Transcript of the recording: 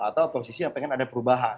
atau oposisi yang pengen ada perubahan